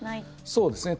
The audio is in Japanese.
そうですね。